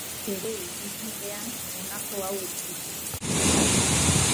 Bere ibilbidean honako hauek ditu.